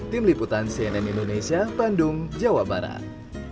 tim liputan cnn indonesia bandung jawa barat